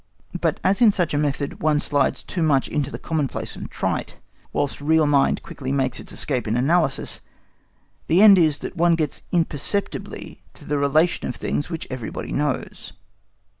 But as in such a method one slides too much into the commonplace and trite, whilst real mind quickly makes its escape in analysis, the end is that one gets imperceptibly to the relation of things which everybody knows.